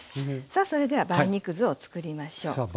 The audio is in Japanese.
さあそれでは梅肉酢を作りましょう。